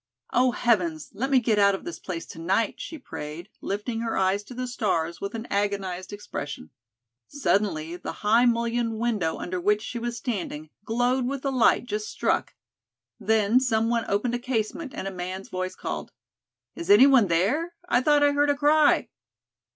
"Oh, heavens, let me get out of this place to night," she prayed, lifting her eyes to the stars with an agonized expression. Suddenly, the high mullioned window under which she was standing, glowed with a light just struck. Then, someone opened a casement and a man's voice called: "Is anyone there? I thought I heard a cry."